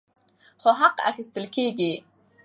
خو حق اخیستل کیږي.